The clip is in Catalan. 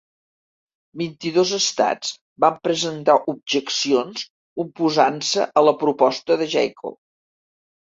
Vint-i-dos estats van presentar objeccions oposant-se a la proposta de Jacob.